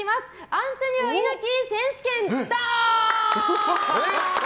アントニオ猪木選手権ダー！